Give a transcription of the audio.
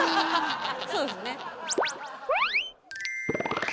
そうですね。